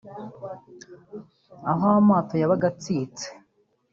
aho amato yabaga atsitse